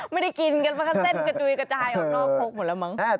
ไม่ได้กินกันมันก็เส้นกระจุยกระจายออกนอกคุกหมดแล้วมั้ง